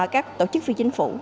các tổ chức phi chính phủ